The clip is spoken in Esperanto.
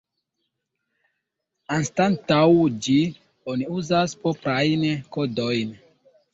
Anstataŭ ĝi oni uzas proprajn kodojn.